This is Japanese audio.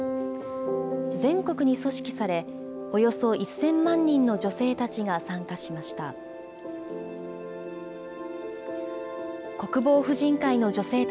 全国に組織され、およそ１０００万人の女性たちが参加しました。